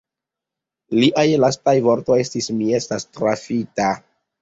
Liaj lastaj vortoj estis: «Mi estas trafita.